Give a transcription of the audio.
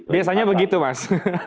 biasanya begitu mas